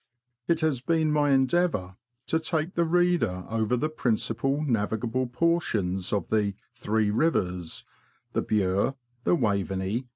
It has been my endeavour to take the reader over the principal navigable portions of the " Three Rivers "— the Bure, the Waveney.